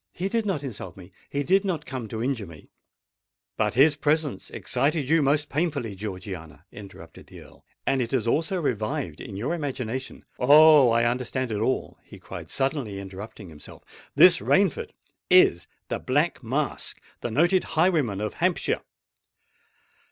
He did not insult me—he did not come to injure me——" "But his presence excited you most painfully, Georgiana!" interrupted the Earl; "and it has also revived in your imagination——Oh! I understand it all!" he cried, suddenly interrupting himself: "this Rainford is the Black Mask—the noted highwayman of Hampshire!"